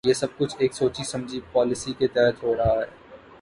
یہ سب کچھ ایک سوچی سمجھی پالیسی کے تحت ہو رہا ہے۔